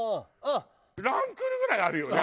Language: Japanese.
ランクルぐらいあるよね。